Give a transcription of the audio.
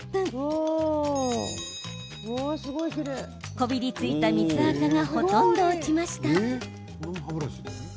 こびりついた水あかがほとんど落ちました。